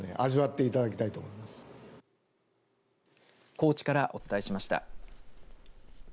高知から、お伝えしました。